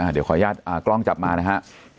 เดี๋ยวขออนุญาตกล้องจับมานะฮะ